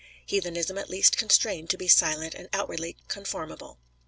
Heathenism at least constrained to be silent and outwardly conformable.